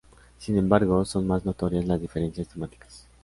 Sin embargo, son más notorias las diferencias temáticas.